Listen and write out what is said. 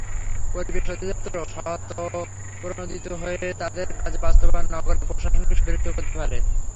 পরিবেশ অধিদপ্তরও স্বতঃপ্রণোদিত হয়ে তাঁদের কাজ বাস্তবায়নে নগর প্রশাসনকে সম্পৃক্ত করতে পারে।